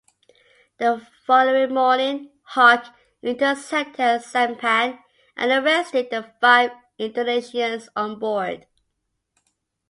The following morning, "Hawk" intercepted a sampan and arrested the five Indonesians on board.